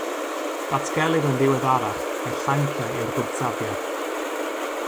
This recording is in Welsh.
Datgelir yn ddiweddarach mai'r llanciau yw'r Gwrthsafiad.